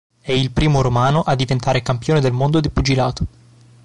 È il primo romano a diventare campione del mondo di pugilato.